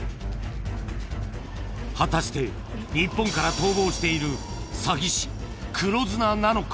果たして日本から逃亡しているサギ師・黒ズナなのか？